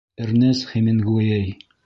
Эрнест Хемингуэй.